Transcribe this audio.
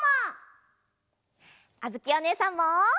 あづきおねえさんも！